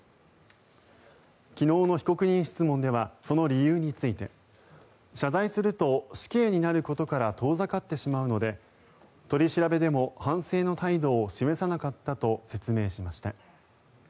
昨日の被告人質問ではその理由について謝罪すると死刑になることから遠ざかってしまうので取り調べでも反省の態度を示さなかったと説明しました。